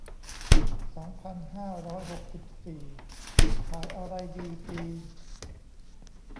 สองพันห้าร้อยหกสิบสี่ ขายอะไรดี ปี